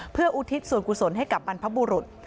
เพื่ออุทิศส่วนกุศลให้กับบรรพบุรุษ